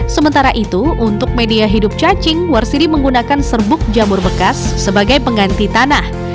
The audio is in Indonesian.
sementara itu untuk media hidup cacing warsiri menggunakan serbuk jamur bekas sebagai pengganti tanah